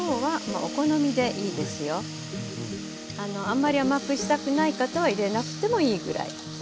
あんまり甘くしたくない方は入れなくてもいいぐらい。